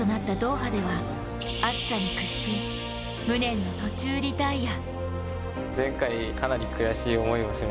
初出場となったドーハでは暑さに屈し、無念の途中リタイア。